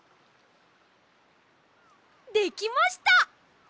できました！